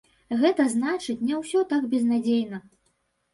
Гэта значыць, не ўсё так безнадзейна.